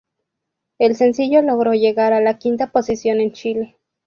El sencillo logró llegar a la quinta posición en Chile.